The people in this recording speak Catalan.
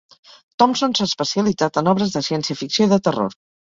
Thompson s'ha especialitzat en obres de ciència-ficció i de terror.